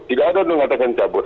tidak ada yang mengatakan dicabut